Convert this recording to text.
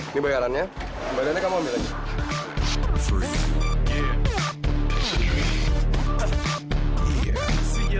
ini bayarannya badan nya kamu ambil aja